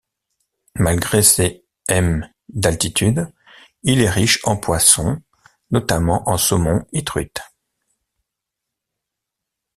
Malgré ses m d'altitude, il est riche en poissons, notamment en saumons et truites.